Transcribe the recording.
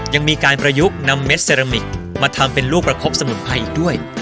ยังมีการประยุกต์นำเม็ดเซรามิกมาทำเป็นลูกประคบสมุนไพรอีกด้วย